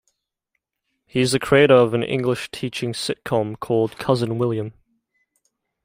He is the creator of an English teaching sitcom called "Cousin William".